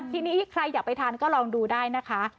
ทีนี้ใครอยากไปทานก็ลองดูได้นะคะ